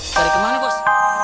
cari kemana bos